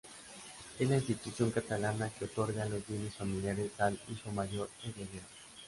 Es la institución catalana que otorga los bienes familiares al hijo mayor, o heredero.